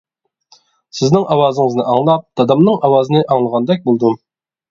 سىزنىڭ ئاۋازىڭىزنى ئاڭلاپ دادامنىڭ ئاۋازىنى ئاڭلىغاندەك بولدۇم.